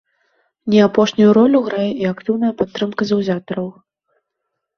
Не апошнюю ролю грае і актыўная падтрымка заўзятараў.